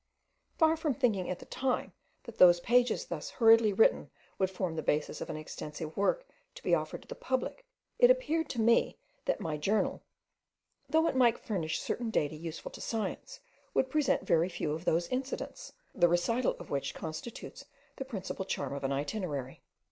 Far from thinking at the time that those pages thus hurriedly written would form the basis of an extensive work to be offered to the public, it appeared to me, that my journal, though it might furnish certain data useful to science, would present very few of those incidents, the recital of which constitutes the principal charm of an itinerary.